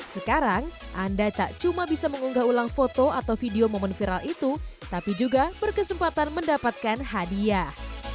sekarang anda tak cuma bisa mengunggah ulang foto atau video momen viral itu tapi juga berkesempatan mendapatkan hadiah